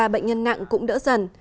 ba bệnh nhân nặng cũng đỡ dần